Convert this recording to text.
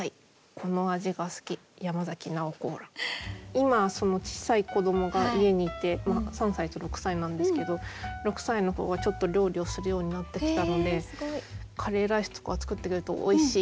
今ちっさい子どもが家にいて３歳と６歳なんですけど６歳の子がちょっと料理をするようになってきたのでカレーライスとかを作ってくれるとおいしい。